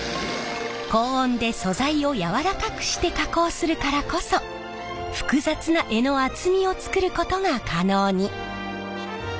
高温で素材を軟らかくして加工するからこそ複雑な柄の厚みを作ることが可能に。